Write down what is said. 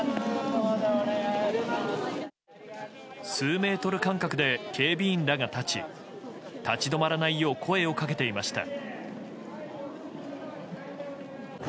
数メートル間隔で警備員らが立ち立ち止まらないよう声をかけていました。